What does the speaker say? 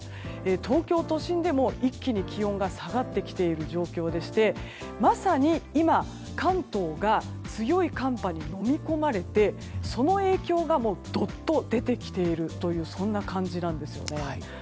東京都心でも一気に気温が下がってきている状況でまさに今、関東が強い寒波にのみ込まれてその影響が、どっと出てきている感じなんですよね。